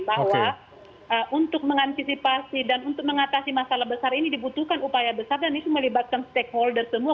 bahwa untuk mengantisipasi dan untuk mengatasi masalah besar ini dibutuhkan upaya besar dan itu melibatkan stakeholder semua